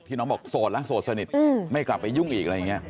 น้องบอกโสดแล้วโสดสนิทไม่กลับไปยุ่งอีกอะไรอย่างนี้